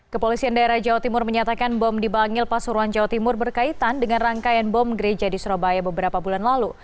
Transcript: kepolisian daerah jawa timur menyatakan bom di bangil pasuruan jawa timur berkaitan dengan rangkaian bom gereja di surabaya beberapa bulan lalu